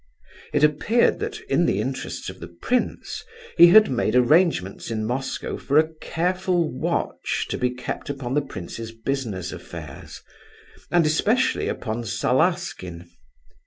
It appeared that, in the interests of the prince, he had made arrangements in Moscow for a careful watch to be kept upon the prince's business affairs, and especially upon Salaskin.